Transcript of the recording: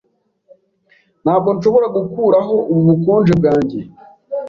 Ntabwo nshobora gukuraho ubu bukonje bwanjye.